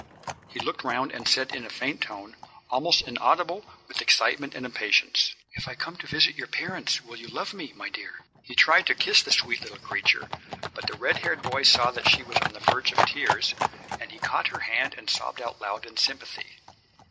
He looked round and said in a tone faint, almost inaudible with excitement and impatience: "If I come to visit your parents will you love me, my dear?" He tried to kiss the sweet little creature, but the red haired boy saw that she was on the verge of tears, and he caught her hand and sobbed out loud in sympathy.